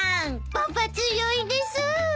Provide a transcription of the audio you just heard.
パパ強いです！